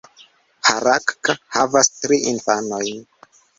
Harakka havas tri infanojn.